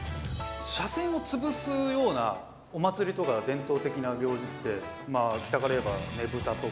車線を潰すようなお祭りとか伝統的な行事ってまあ北から言えばねぶたとか。